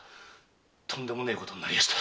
とんでもねえことになりました。